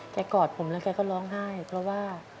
กอดผมแล้วแกก็ร้องไห้เพราะว่า